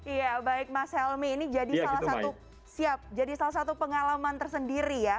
iya baik mas helmy ini jadi salah satu pengalaman tersendiri ya